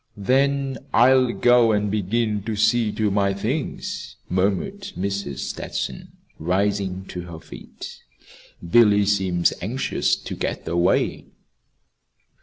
"Then I'll go and begin to see to my things," murmured Mrs. Stetson, rising to her feet. "Billy seems anxious to get away."